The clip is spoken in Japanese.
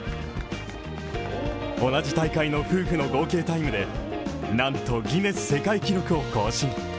同じ大会の夫婦の合計タイムでなんとギネス世界記録を更新。